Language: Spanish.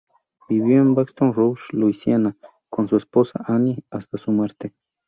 Vivió en Baton Rouge, Louisiana, con su esposa, Anne, hasta su muerte.